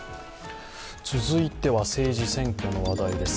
続いては政治、選挙の話題です。